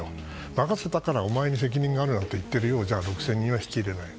任せたからお前に責任があると言っているようじゃ６０００人は率いれない。